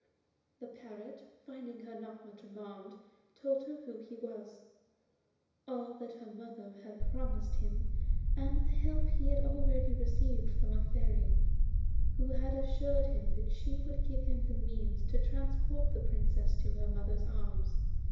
The parrot, finding she was not much alarmed, told her who he was, all that her mother had promised him and the help he had already received from a Fairy who had assured him that she would give him means to transport the Princess to her mother's arms.